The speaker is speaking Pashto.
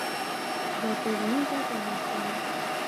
دا ټولنیز عدالت دی.